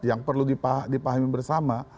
yang perlu dipahami bersama